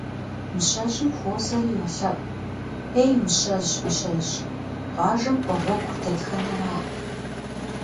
Мыщэжьым хуозэри йолъэӏу: Ей, Мыщэжь, Мыщэжь, къуажэм кӏуэ гъуэгур дэтхэнэра?